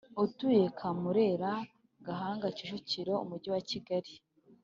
utuye Kamurera, Gahanga, Kicukiro , Umujyi wa Kigali